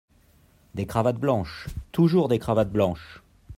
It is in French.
Des cravates blanches ! toujours des cravates blanches !